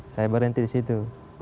saya berhenti disitu